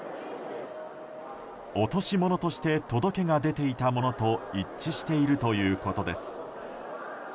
落とし物として届けが出ていたものと一致しているということです。